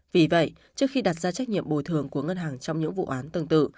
vì vậy trước khi đặt ra trách nhiệm bồi thường của ngân hàng trong những vụ án tương tự